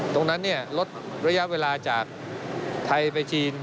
ตรงนั้นลดระยะเวลาจากไทยไปจีน